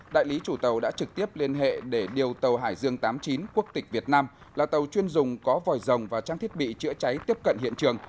đại lý chủ tàu đã trực tiếp liên hệ để điều tàu hải dương tám mươi chín quốc tịch việt nam là tàu chuyên dùng có vòi rồng và trang thiết bị chữa cháy tiếp cận hiện trường